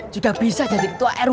sudah bisa jadi ketua rw